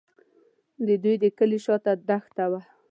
د دوی د کلي شاته دښته وه.